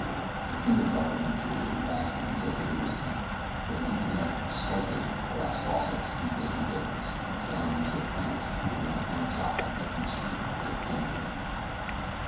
The kindergarten period lasted until Billy was ten; then he commenced "swiping" brass faucets from vacant buildings and selling them to a fence who ran a junkshop on Lincoln Street near Kinzie.